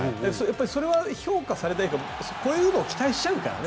それは評価されないというかこういうのを期待しちゃうみたいな。